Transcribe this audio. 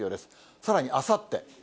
さらにあさって。